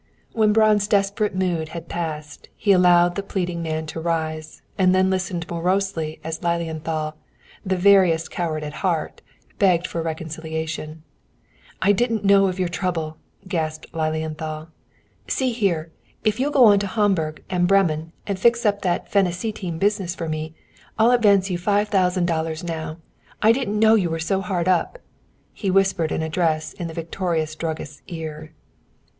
When Braun's desperate mood had passed, he allowed the pleading man to rise, and then listened morosely as Lilienthal, the veriest coward at heart, begged for a reconciliation. "I didn't know of your trouble," gasped Lilienthal. "See here, if you'll go on to Hamburg and Bremen and fix up that 'phenacetine' business for me, I'll advance you five thousand dollars now. I didn't know you were so hard up." He whispered an address in the victorious druggist's ear.